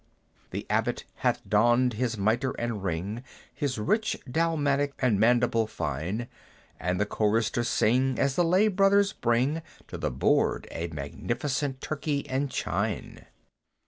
The Abbot hath donned his mitre and ring, His rich dalmatic, and maniple fine; And the choristers sing, as the lay brothers bring To the board a magnificent turkey and chine.